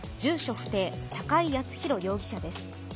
不定、高井靖弘容疑者です。